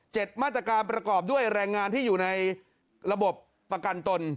มาตรการประกอบด้วยแรงงานที่อยู่ในระบบประกันตน